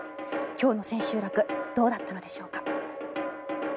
今日の千秋楽どうだったのでしょうか。